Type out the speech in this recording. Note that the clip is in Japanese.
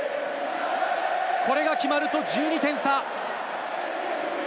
これが決まると１２点差。